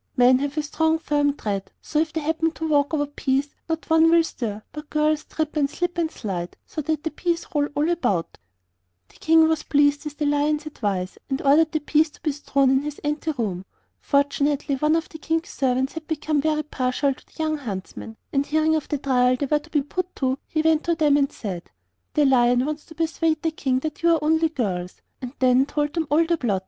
Men have a strong, firm tread, so that if they happen to walk over peas not one will stir, but girls trip, and slip, and slide, so that the peas roll all about.' The King was pleased with the Lion's advice, and ordered the peas to be strewn in his ante room. Fortunately one of the King's servants had become very partial to the young huntsmen, and hearing of the trial they were to be put to, he went to them and said: 'The Lion wants to persuade the King that you are only girls'; and then told them all the plot.